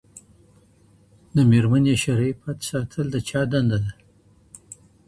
د ميرمنې شرعي پت ساتل د چا دنده ده؟